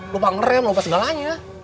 lupa ngerem lupa segalanya